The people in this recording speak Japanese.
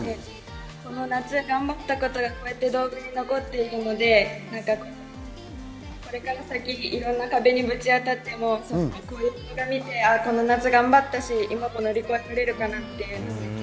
この夏、頑張ったことがこうやって動画に残っていくので、これから先いろいろな壁にぶち当たってもこの動画見てこの夏頑張ったし今も乗り越えられるかなと。